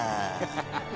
「ハハハハ！」